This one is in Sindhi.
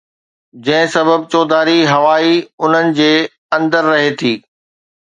جنهن سبب چوڌاري هوا ئي انهن جي اندر رهي ٿي